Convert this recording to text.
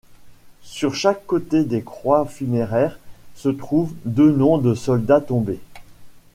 Sur chaque côté des croix funéraires se trouvent deux noms de soldats tombés.